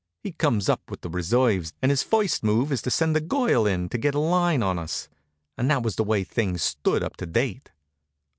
He comes up with the reserves, and his first move is to send the girl in to get a line on us. And that was the way things stood up to date.